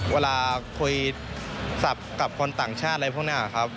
เวลาคุยศัพท์กับคนต่างชาติอะไรพวกนี้ครับ